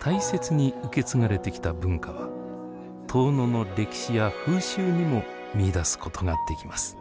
大切に受け継がれてきた文化は遠野の歴史や風習にも見いだすことができます。